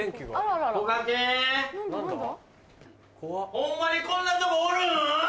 ホンマにこんなとこおるん？